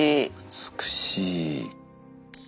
美しい。